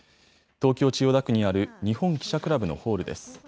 東京・千代田区にある日本記者クラブのホールです。